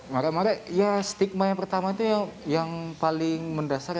marah marah ya stigma yang pertama itu yang paling mendasar